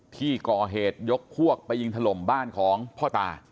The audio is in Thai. ที่ก่อเหตุยกพวกไปยิงถล่มบ้านของพ่อตา